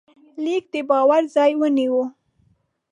لیک د باور ځای ونیو.